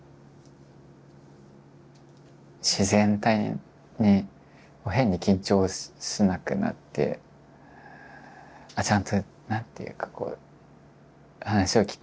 自然体に変に緊張しなくなってちゃんと何ていうかこう話を聞く時は逃げなくなりましたね。